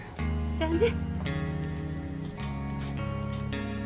じゃあね。